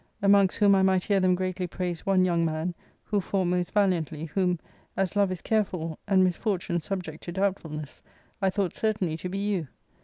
Amongst whom I might hear them greatly praise one young man, who fought most valiantly, whom, as love is careful, and misfortune subject to doubtfulness, I thought certainly to be you.